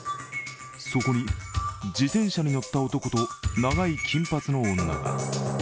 そこに自転車に乗った男と長い金髪の女が。